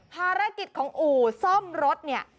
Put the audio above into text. ภารกิจของอู่ซ่อมรถเนี่ย